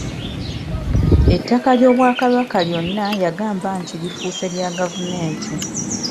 Ettaka ly'Obwakabaka lyonna yagamba nti lifuuse lya gavumenti.